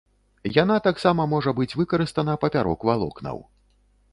Яна таксама можа быць выкарыстана папярок валокнаў.